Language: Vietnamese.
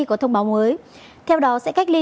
có thông báo mới theo đó sẽ cách ly